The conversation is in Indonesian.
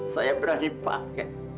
saya berani pake